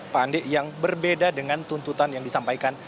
pak andi yang berbeda dengan tuntutan yang disampaikan